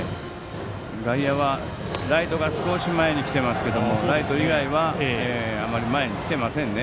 外野は、ライトが少し前に来てますけどライト以外はあまり前に来ていませんね。